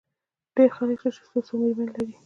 ډېر خلک شته، چي څو څو مېرمنې لري.